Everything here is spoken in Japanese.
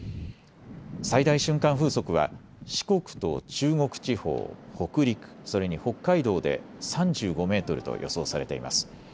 最大瞬間風速は四国と中国地方、北陸、それに北海道で３５メートルと予想されています。